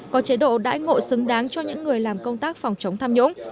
có chế độ đãi ngộ xứng đáng cho những người làm công tác phòng chống tham nhũng